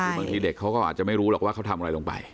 คือบางทีเด็กเขาก็อาจจะไม่รู้หรอกว่าเขาทำอะไรลงไป